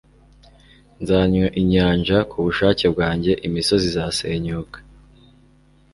nzanywa inyanja; ku bushake bwanjye imisozi izasenyuka